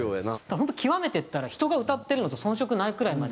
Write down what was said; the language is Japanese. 本当極めてったら人が歌ってるのと遜色ないくらいまで。